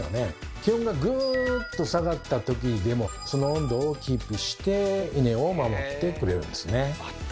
気温がグーッと下がったときでもその温度をキープしてイネを守ってくれるんですね。